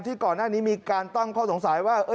ก่อนหน้านี้มีการตั้งข้อสงสัยว่า